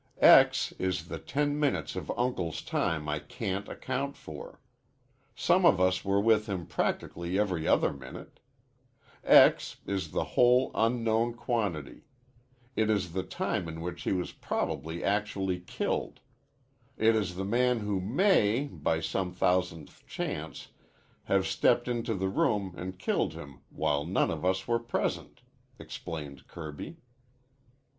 "X is the ten minutes of Uncle's time I can't account for. Some of us were with him practically every other minute. X is the whole unknown quantity. It is the time in which he was prob'ly actually killed. It is the man who may, by some thousandth chance, have stepped into the room an' killed him while none of us were present," explained Kirby.